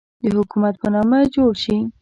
د حکومت په نامه جوړ شي.